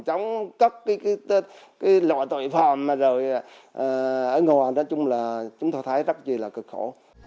chống cất cái loại tội phòng mà rồi ở ngoài nói chung là chúng tôi thấy rất là cực khổ